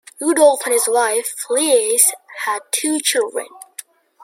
Rudolf and his wife Liese had two children.